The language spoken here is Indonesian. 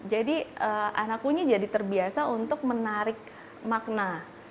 jadi anakku jadi terbiasa untuk menarik makna